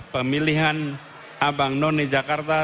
pemilihan abang noni jakarta